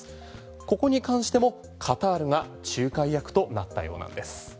ここに関してもカタールが仲介役となったようなんです。